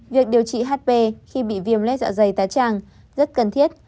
việc điều trị hp khi bị viêm lết dạ dày tái tràng rất cần thiết